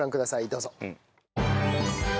どうぞ。